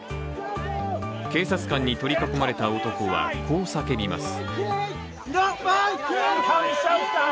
警察官に取り囲まれた男はこう叫びます。